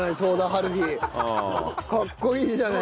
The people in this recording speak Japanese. かっこいいじゃない！